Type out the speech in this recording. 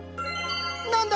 何だ？